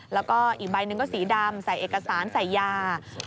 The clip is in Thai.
แล้วก็อีกใบหนึ่งก็สีดำใส่เอกสารใส่ยา